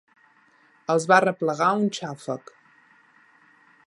Els va arreplegar un xàfec.